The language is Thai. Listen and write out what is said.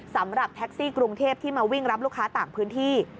สำหรับแท็กซี่กรุงเทพที่มาวิ่งรับลูกค้าต่างพื้นที่